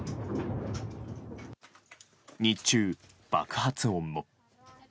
日中、爆発音も。